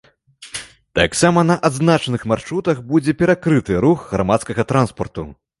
Таксама на адзначаных маршрутах будзе перакрыты рух грамадскага транспарту.